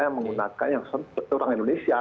yang menggunakan yang sempurna orang indonesia